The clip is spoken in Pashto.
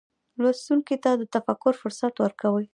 لوستونکي ته د تفکر فرصت ورکوي.